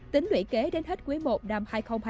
tính luyện kế đến hết quý i năm hai nghìn hai mươi ba